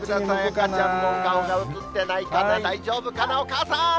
赤ちゃんも顔が映ってないかな、大丈夫かな、お母さん？